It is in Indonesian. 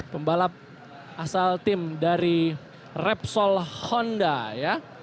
pembalap asal tim dari repsol honda ya